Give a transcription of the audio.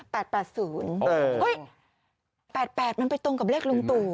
๘๘มันไปตรงกับเลขลุงตู่